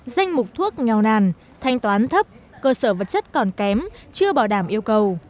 danh mục thuốc nghèo nàn thanh toán thấp cơ sở vật chất còn kém chưa bảo đảm yêu cầu